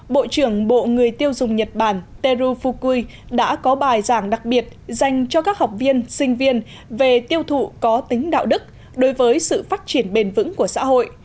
bộ trưởng bộ người tiêu dùng nhật bản teru fukui đã có bài giảng đặc biệt dành cho các học viên sinh viên về tiêu thụ có tính đạo đức đối với sự phát triển bền vững của xã hội